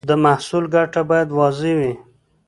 د محصول ګټه باید واضح وي.